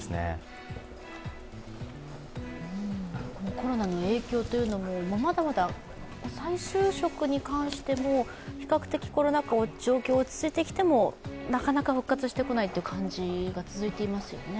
コロナの影響というのもまだまだ、再就職に関しても比較的コロナ禍状況は落ち着いてきてもなかなか復活してこないという感じが続いていますよね。